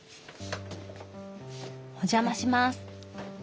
お邪魔します！